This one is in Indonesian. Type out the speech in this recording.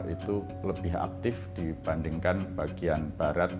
itu lebih aktif dibandingkan bagian barat